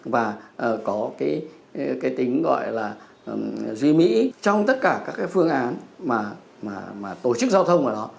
và có cái tính gọi là duy mỹ trong tất cả các cái phương án mà tổ chức giao thông ở đó